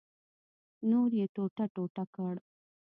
نور یې ټوټه ټوټه کړ.